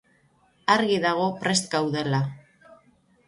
Argi dago prest gaudela.